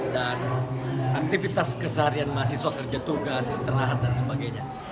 dan aktivitas keseharian mahasiswa kerja tugas istirahat dan sebagainya